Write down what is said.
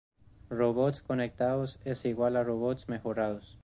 Robots conectados es igual a robots mejorados.